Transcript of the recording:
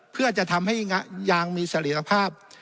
เพื่อจะทำให้ยางมีเสรีภาพ